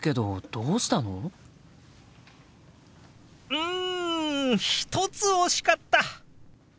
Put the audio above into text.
うん１つ惜しかった！